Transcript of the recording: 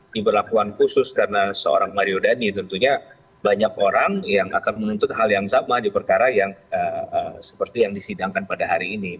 diberlakuan khusus karena seorang mario dandi tentunya banyak orang yang akan menuntut hal yang sama di perkara yang seperti yang disidangkan pada hari ini